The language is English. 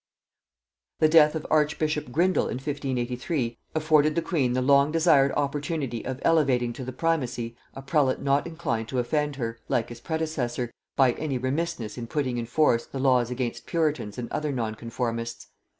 The death of archbishop Grindal in 1583 afforded the queen the long desired opportunity of elevating to the primacy a prelate not inclined to offend her, like his predecessor, by any remissness in putting in force the laws against puritans and other nonconformists.